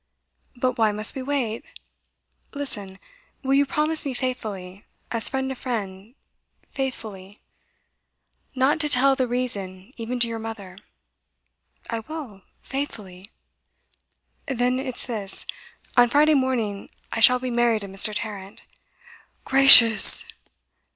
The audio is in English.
'But why must we wait?' 'Listen: will you promise me faithfully as friend to friend, faith fully not to tell the reason even to your mother?' 'I will, faithfully.' 'Then, it's this. On Friday morning I shall be married to Mr Tarrant.' 'Gracious!